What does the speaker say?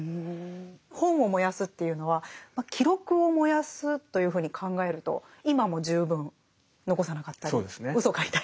本を燃やすっていうのは記録を燃やすというふうに考えると今も十分残さなかったりうそ書いたり。